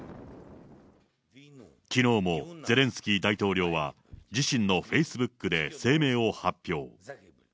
きのうもゼレンスキー大統領は、自身のフェイスブックで声明を発表。